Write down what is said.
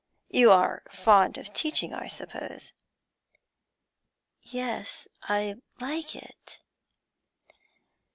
'You are fond of teaching, I suppose?' 'Yes, I like it.'